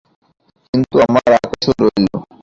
কিন্তু আমার আকাশও রইল।